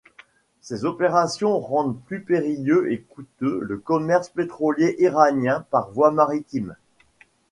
Ces opérations rendent plus périlleux et coûteux le commerce pétrolier iranien par voie maritime.